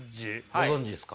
ご存じですか？